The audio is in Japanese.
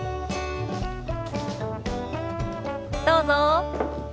どうぞ。